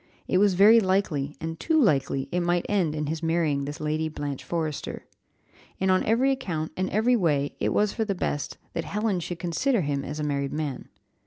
It was very likely, and too likely, it might end in his marrying this Lady Blanche Forrester. And, on every account, and every way, it was for the best that Helen should consider him as a married man.